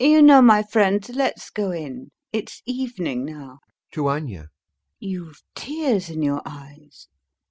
You know, my friends, let's go in; it's evening now. [To ANYA] You've tears in your eyes....